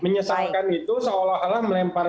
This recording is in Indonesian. menyesalkan itu seolah olah melempar